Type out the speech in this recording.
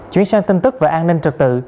chuyến sang tin tức và an ninh trật tự